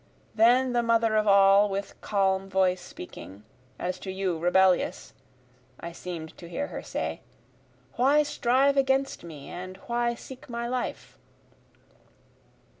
Then the Mother of All with calm voice speaking, As to you Rebellious, (I seemed to hear her say,) why strive against me, and why seek my life?